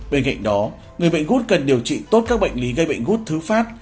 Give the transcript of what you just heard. bên cạnh đó người bệnh gút cần điều trị tốt các bệnh lý gây bệnh gút thứ phát